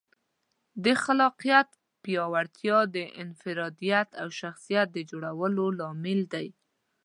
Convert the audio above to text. د خلاقیت پیاوړتیا د انفرادیت او شخصیت د جوړولو لامل ده.